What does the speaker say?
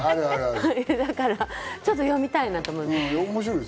だからちょっと読みたいなと思いました。